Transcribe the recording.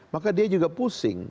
maka dia juga pusing